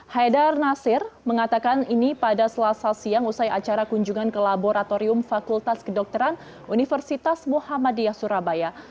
haidar nasir mengatakan ini pada selasa siang usai acara kunjungan ke laboratorium fakultas kedokteran universitas muhammadiyah surabaya